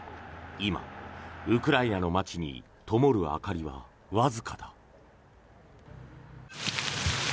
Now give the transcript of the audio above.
今、ウクライナの街にともる明かりはわずかだ。